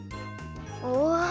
おわ。